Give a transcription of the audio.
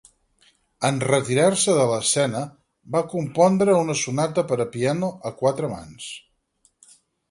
En retirar-se de l'escena va compondre una sonata per a piano a quatre mans.